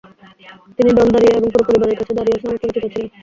তিনি ‘Don Dario’ এবং পুরো পরিবারের কাছে দারিওস নামে পরিচিত ছিলেন।